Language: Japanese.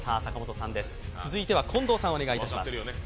続いては近藤さん、お願いします。